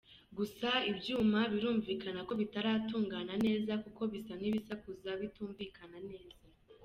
Gusa ibyuma birumvikana ko bitaratungana neza, kuko bisa nk’ibisakuza bitumvikana neza.